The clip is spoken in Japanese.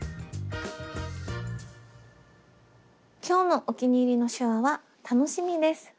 今日のお気に入りの手話は「楽しみ」です。